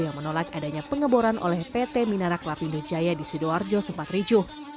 yang menolak adanya pengeboran oleh pt minarak lapindo jaya di sidoarjo sempat ricuh